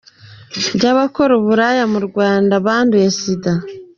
byabakora uburaya mu Rwanda banduye Sida